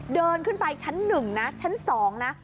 เดินขึ้นไปชั้น๑นะชั้น๒นะ